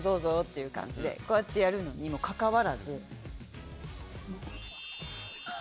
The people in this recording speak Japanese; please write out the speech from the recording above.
いう感じでこうやってやるのにもかかわらず。